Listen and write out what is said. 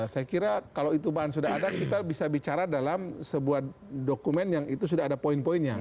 saya kira kalau itu bahan sudah ada kita bisa bicara dalam sebuah dokumen yang itu sudah ada poin poinnya